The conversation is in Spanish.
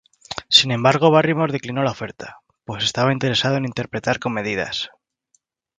Sin embargo Barrymore declinó la oferta, pues estaba interesado en interpretar comedias.